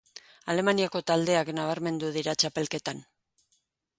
Alemaniako taldeak nabarmendu dira txapelketan.